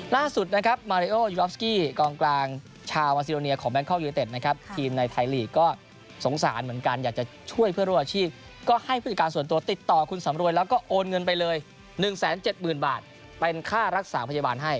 ล่าสุดนะครับมารี่โอยูโรฟสกี้กรองกลางชาวอาซีโดเนียของแมนคลอคเยวเตชนะครับ